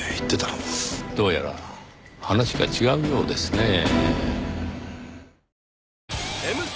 どうやら話が違うようですねぇ。